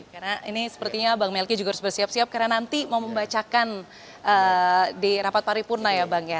karena ini sepertinya bang melki juga harus bersiap siap karena nanti mau membacakan di rapat paripunan ya bang ya